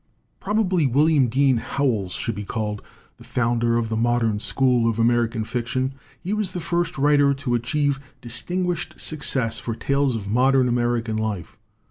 "Probably William Dean Howells should be galled the founder of the modern school of Ameri LITERATURE IN THE MAKING can fiction. He was the first writer to achieve distinguished success for tales of modern American life.